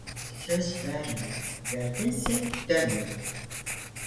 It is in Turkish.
Söz verme, verdinse dönme.